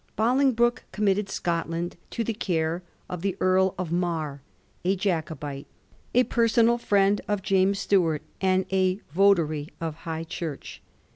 Bolingbroke committed Scotland to the care of the Earl of Mar, a Jacobite, a personal friend of James Stuart, and a votary of High Church.